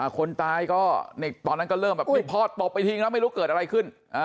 คนตายก็ตอนนั้นก็เริ่มแบบนี่พ่อตบไปทิ้งแล้วไม่รู้เกิดอะไรขึ้น